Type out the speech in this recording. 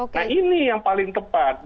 nah ini yang paling tepat